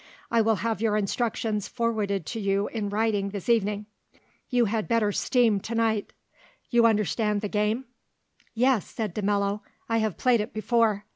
I will have your instructions forwarded to you in writing this evening. You had better steam to night. You understand the game?" "Yes," said de Mello, "I have played it before."